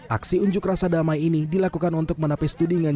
aksi unjuk rasa damai ini dilakukan untuk menapis tudingan